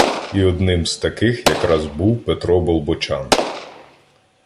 І одним з таких якраз був Петро Болбочан.